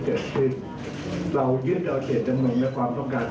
แล้วกับการเก็บที่ของรัฐบาลในนาเขาข้างหน้า